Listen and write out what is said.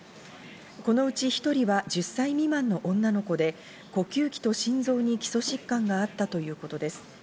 このうち１人は１０歳未満の女の子で、呼吸器と心臓に基礎疾患があったということです。